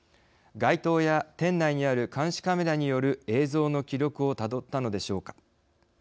街頭や店内にある監視カメラによる映像の記録をたどったのでしょうか。